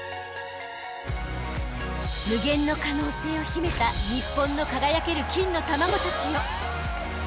［無限の可能性を秘めた日本の輝ける金の卵たちよ］